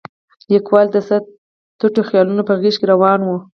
لیکوال د څه تتو خیالونه په غېږ کې راون و.